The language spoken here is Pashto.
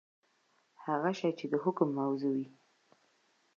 هغه شی چي د حکم موضوع وي.؟